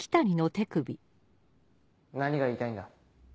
何が言いたいんだ？